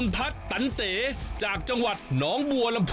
แล้วผู้โชคดีได้แก